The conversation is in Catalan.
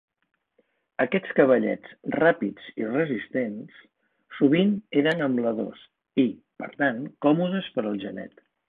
Aquests cavallets, ràpids i resistents, sovint eren ambladors i, per tant, còmodes per al genet.